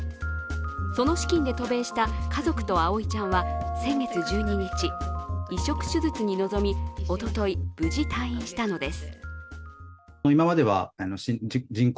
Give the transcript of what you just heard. その資金で渡米した家族と葵ちゃんは先月１２日、移植手術に臨みおととい無事退院したのです。